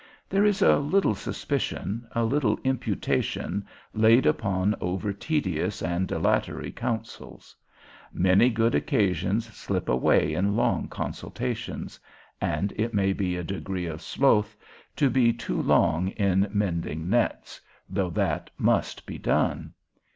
There is a little suspicion, a little imputation laid upon over tedious and dilatory counsels. Many good occasions slip away in long consultations; and it may be a degree of sloth, to be too long in mending nets, though that must be done.